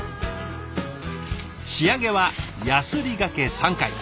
仕上げはやすりがけ３回。